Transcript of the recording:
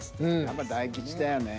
やっぱ大吉だよね。